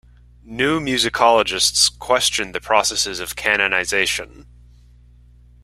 New musicologists question the processes of canonization.